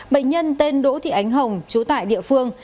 bệnh nhân tên đỗ thị ánh hồng chú tại địa phương